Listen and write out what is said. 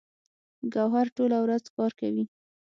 ګوهر ټوله ورځ کار کوي